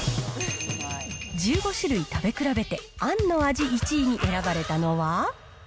１５種類食べ比べて、あんの味１位に選ばれたのは？